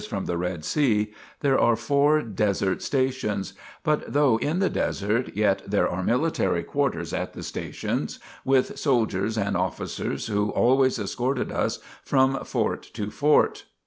34, LXX, tv yrj Ytyt 14 THE PILGRIMAGE OF ETHERIA Red Sea, there are four desert stations, but though in the desert, yet there are military quarters at the stations with soldiers and officers who always escorted us from fort to fort.